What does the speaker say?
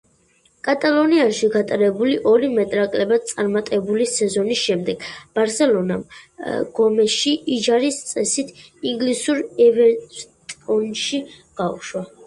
კატალონიაში გატარებული ორი მეტნაკლებად წარმატებული სეზონის შემდეგ, „ბარსელონამ“ გომეში იჯარის წესით ინგლისურ „ევერტონში“ გაუშვა.